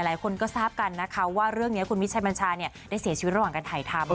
หลายคนก็ทราบกันนะคะว่าเรื่องนี้คุณมิชัยบัญชาได้เสียชีวิตระหว่างการถ่ายทำ